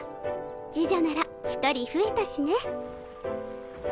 侍女なら１人増えたしね。